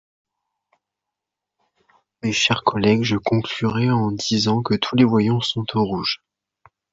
Mes chers collègues, je conclurai en disant que tous les voyants sont au rouge.